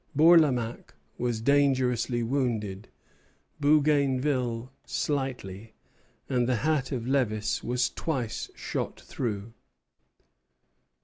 Bourlamaque was dangerously wounded; Bougainville slightly; and the hat of Lévis was twice shot through.